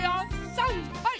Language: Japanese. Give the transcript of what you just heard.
さんはい！